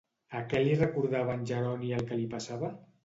A què li recordava a en Jeroni el que li passava?